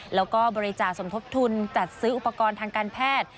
แล้วก็บริจาคสมทบทุนจัดซื้ออุปกรณ์ทางการแพทย์